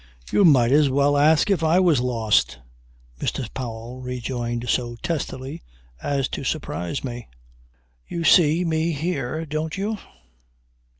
"You might as well ask if I was lost," Mr. Powell rejoined so testily as to surprise me. "You see me here, don't you."